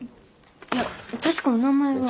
いや確かお名前は。